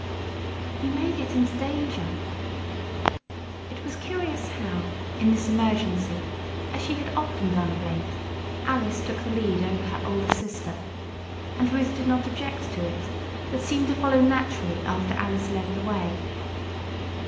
"You may get into danger." It was curious how, in this emergency as she had often done of late Alice took the lead over her older sister. And Ruth did not object to it, but seemed to follow naturally after Alice led the way.